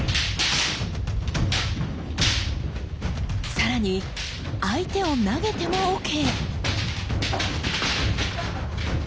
さらに相手を投げてもＯＫ！